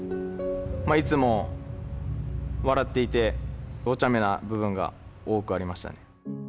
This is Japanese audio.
いつも笑っていて、おちゃめな部分が多くありましたね。